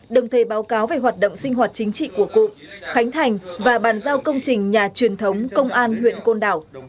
đồng thời báo cáo về hoạt động sinh hoạt chính trị của cụm khánh thành và bàn giao công trình nhà truyền thống công an huyện côn đảo